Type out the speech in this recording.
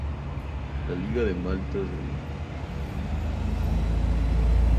La liga de Malta se disputa entre los meses de agosto y mayo.